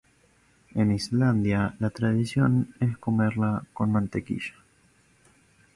En Islandia la tradición es comerla con mantequilla.